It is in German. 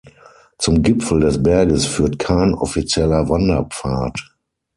Zum Gipfel des Berges führt kein offizieller Wanderpfad.